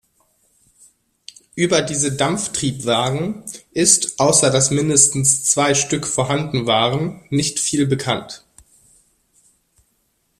Über diese Dampftriebwagen ist, außer dass mindestens zwei Stück vorhanden waren, nicht viel bekannt.